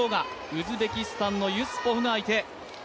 ウズベキスタンのユスポフが相手。